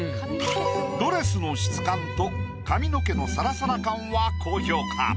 ドレスの質感と髪の毛のサラサラ感は高評価。